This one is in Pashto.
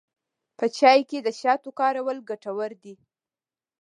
په چای کې د شاتو کارول ګټور دي.